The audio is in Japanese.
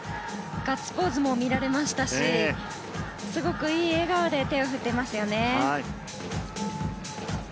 ガッツポーズも見られましたしすごくいい笑顔で手を振っていますよね。